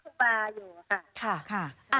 พฐพุราอยู่อ่ะค่ะ